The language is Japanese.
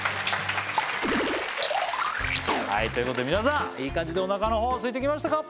はいということで皆さんいい感じでお腹のほうすいてきましたか？